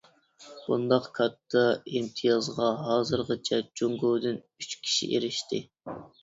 بۇنداق كاتتا ئىمتىيازغا ھازىرغىچە جۇڭگودىن ئۈچ كىشى ئېرىشتى.